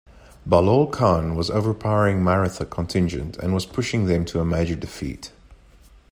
Bahlol Khan was overpowering Maratha contingent and was pushing them to a major defeat.